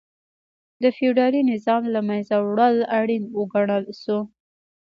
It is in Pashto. د فیوډالي نظام له منځه وړل اړین وګڼل شو.